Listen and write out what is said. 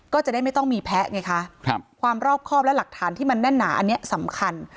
ก็จะได้ไม่ต้องมีแพ้ไงคะความรอบครอบและหลักฐานที่มันแน่นหนาอันนี้สำคัญ